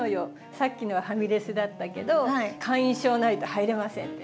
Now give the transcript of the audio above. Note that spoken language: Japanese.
さっきのはファミレスだったけど会員証ないと入れませんね。